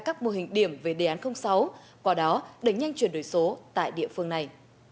các mô hình điểm về đề án sáu qua đó đẩy nhanh chuyển đổi số tại địa phương này